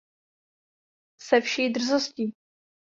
Se vší drzostí!